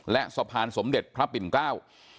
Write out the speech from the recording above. และสะพานสมเด็จพระปิ่นเกล้า